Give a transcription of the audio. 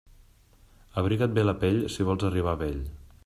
Abriga't bé la pell, si vols arribar a vell.